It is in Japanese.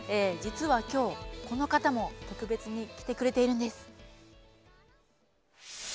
実はきょうこの方も特別に来てくれているんです。